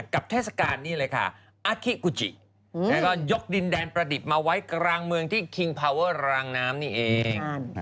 เทศกาลนี่เลยค่ะอาคิกุจิแล้วก็ยกดินแดนประดิษฐ์มาไว้กลางเมืองที่คิงพาวเวอร์รางน้ำนี่เอง